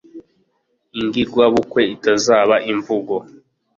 ingirwa bukwe itazaba invugo